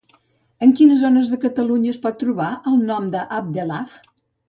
En quines zones de Catalunya es pot trobar el nom d'Abdellah?